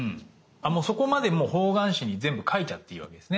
そこまでもう方眼紙に全部描いちゃっていいわけですね？